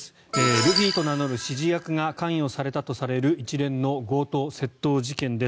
ルフィと名乗る指示役が関与したとされる一連の強盗・窃盗事件です。